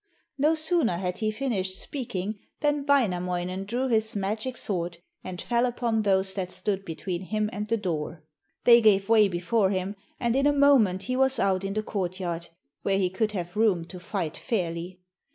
No sooner had he finished speaking than Wainamoinen drew his magic sword, and fell upon those that stood between him and the door. They gave way before him, and in a moment he was out in the courtyard, where he could have room to fight fairly.